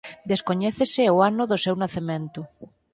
Descoñécese o ano do seu nacemento.